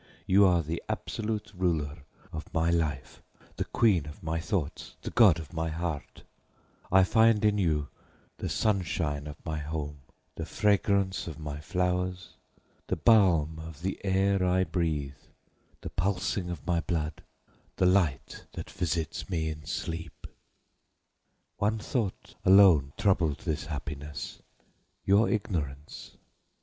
You are the absolute ruler of my life, the queen of my thoughts, the god of my heart; I find you in the sunshine of my home, the fragrance of my flowers, the balm of the air I breathe, the pulsing of my blood, the light that visits me in sleep. "One thought alone troubled this happiness your ignorance.